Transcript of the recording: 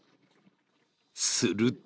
すると。